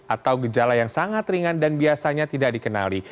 atau gejala yang sangat ringan dan biasanya tidak dikenali